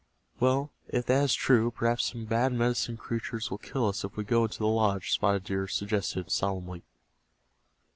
"Well, if that is true perhaps some bad Medicine Creatures will kill us if we go into the lodge," Spotted Deer suggested, solemnly.